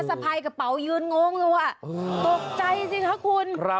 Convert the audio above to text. สะพายกระเป๋ายืนง้มเลยว่ะตกใจจริงคะคุณ